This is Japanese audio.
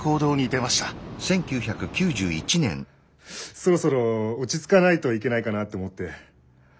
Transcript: そろそろ落ち着かないといけないかなと思って。